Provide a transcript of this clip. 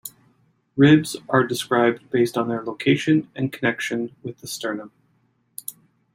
Ribs are described based on their location and connection with the sternum.